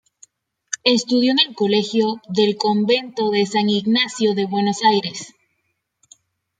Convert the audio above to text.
Estudió en el colegio del convento de San Ignacio de Buenos Aires.